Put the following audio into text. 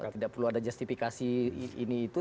tidak perlu ada justifikasi ini itu